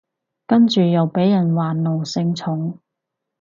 跟住又被人話奴性重